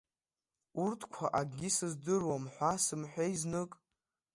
Урҭқәа акгьы сыздыруам ҳәа сымҳәеи знык!